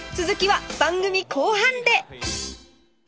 続きは番組後半で！